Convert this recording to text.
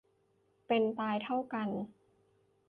เป็นตายเท่ากัน